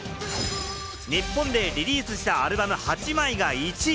日本でリリースしたアルバム８枚が１位。